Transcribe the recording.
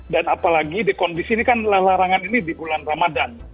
dan apalagi di kondisi ini kan larangan ini di bulan ramadan